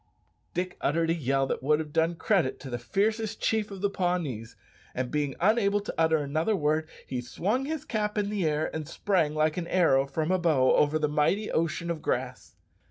Dick uttered a yell that would have done credit to the fiercest chief of the Pawnees, and being unable to utter another word, he swung his cap in the air and sprang like an arrow from a bow over the mighty ocean of grass.